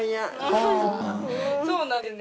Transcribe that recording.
そうなんですね。